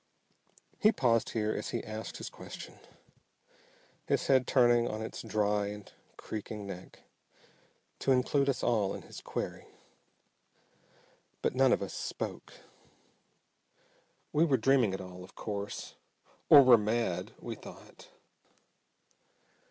He paused here as he asked his question, his head turning on its dry and creaking neck to include us all in his query. But none of us spoke. We were dreaming it all, of course, or were mad, we thought.